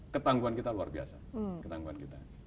ketangguhan yang saya boleh katakan ketangguhan kita luar biasa